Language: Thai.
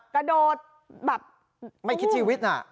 กระโดดแบบไม่คิดชีวิตน่ะ